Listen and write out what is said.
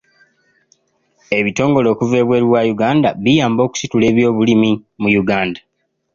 Ebitongole okuva ebweru wa Uganda biyamba okusitula ebyobulimi mu Uganda.